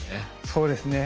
そうですね。